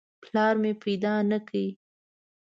پلار مې پیدا نه کړ.